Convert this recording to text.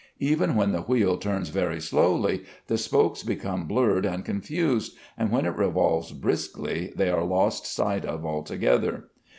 Even when the wheel turns very slowly the spokes become blurred and confused, and when it revolves briskly they are lost sight of altogether.